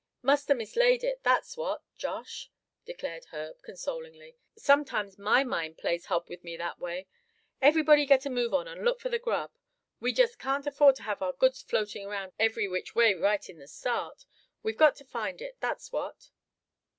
"Must a mislaid it, that's what, Josh," declared Herb, consolingly. "Sometimes my mind plays hob with me that way. Everybody get a move on and look for the grub. We just can't afford to have our goods floating around every which way right in the start. We've got to find it, that's what."